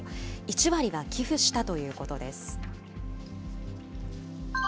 １割は寄付したということです。